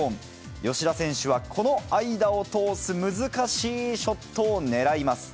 吉田選手はこの間を通す難しいショットを狙います。